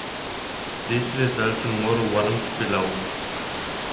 This results in more warmth below.